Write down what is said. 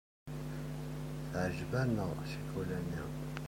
Teɛjeb-aneɣ ccikula-nni.